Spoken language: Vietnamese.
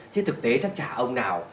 chứ thực tế chắc chả ông nào